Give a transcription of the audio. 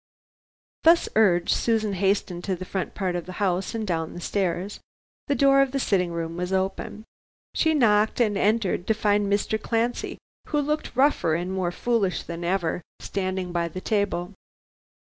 Thus urged, Susan hastened to the front part of the house and down the stairs. The door of the sitting room was open. She knocked and entered, to find Mr. Clancy, who looked rougher and more foolish than ever, standing by the table.